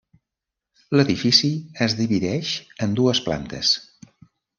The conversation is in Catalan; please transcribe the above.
L'edifici es divideix en dues plantes.